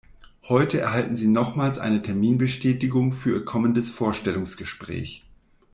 Heute erhalten Sie nochmals eine Terminbestätigung für Ihr kommendes Vorstellungsgespräch.